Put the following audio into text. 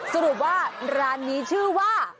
สรุปว่าร้านนี้ชื่อว่า